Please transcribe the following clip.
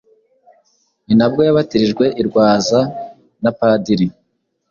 Ni nabwo yabatirijwe i Rwaza na Padiri